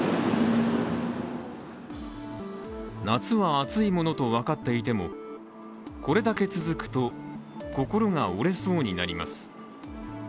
夏は暑いものと分かっていても、これだけ続くと心が折れそうになります。